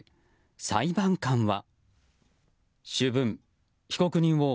裁判官は。